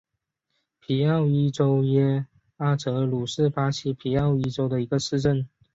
皮奥伊州茹阿泽鲁是巴西皮奥伊州的一个市镇。